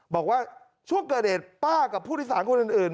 บอกว่าช่วงเกิดเหตุป้ากับผู้โดยสารคนอื่น